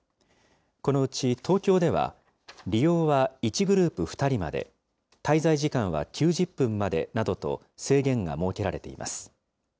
このうち東京では、利用は１グループ２人まで、滞在時間は９０分までなどと制限が設けられています。